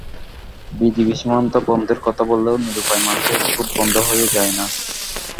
BGB সীমান্ত বন্ধের কথা বললেও নিরুপায় মানুষের স্রোত বন্ধ হয়ে যায় না।